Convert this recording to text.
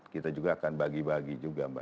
kita juga akan bagi bagi juga mbak